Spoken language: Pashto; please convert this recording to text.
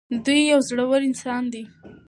دی یو زړور انسان دی.